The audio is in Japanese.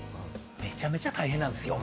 めちゃめちゃ大変なんですよ。